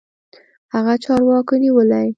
هغه چارواکو نيولى.